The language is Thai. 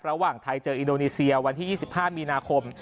ระหว่างไทยเจออินโดนีเซียวันที่๒๕มีนาคม